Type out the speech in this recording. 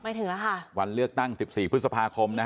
ถึงแล้วค่ะวันเลือกตั้งสิบสี่พฤษภาคมนะฮะ